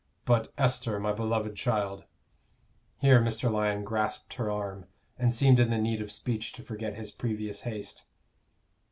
But, Esther, my beloved child " Here Mr. Lyon grasped her arm, and seemed in the need of speech to forget his previous haste.